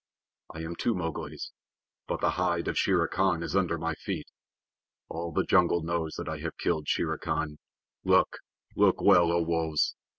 I am two Mowglis, but the hide of Shere Khan is under my feet. All the jungle knows that I have killed Shere Khan. Look look well, O Wolves!